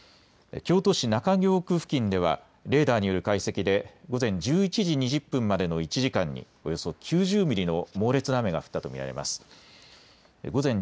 京都市中京区付近ではレーダーによる解析で午前１１時２０分までの１時間におよそ９０ミリの猛烈な雨が降ったと見られます。